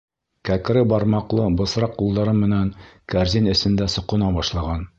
Кәкре бармаҡлы бысраҡ ҡулдары менән кәрзин эсендә соҡона башлаған.